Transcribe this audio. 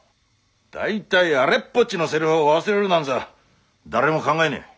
大体あれっぽっちのセリフを忘れるなんざ誰も考えねえ。